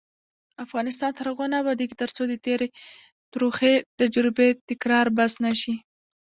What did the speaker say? افغانستان تر هغو نه ابادیږي، ترڅو د تېرې تروخې تجربې تکرار بس نه شي.